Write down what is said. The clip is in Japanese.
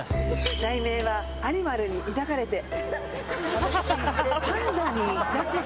題名は「アニマルに抱かれて」。